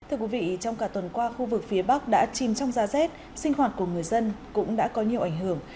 thưa quý vị trong cả tuần qua khu vực phía bắc đã chìm trong giá rét sinh hoạt của người dân cũng đã có nhiều ảnh hưởng